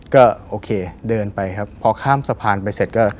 ก็โอเคเดินไปครับพอข้ามสะพานไปเสร็จก็